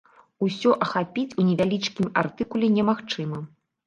Усё ахапіць у невялічкім артыкуле немагчыма.